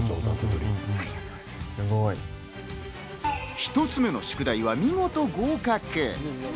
１つ目の宿題は見事合格。